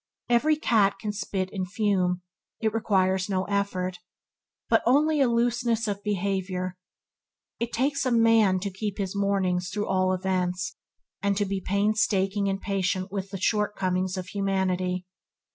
Every cat can spit and fume; it requires no effort, but only a looseness of behavior. It takes a man to keep his mornings through all events, and to be painstaking and patient with the shortcomings of humanity.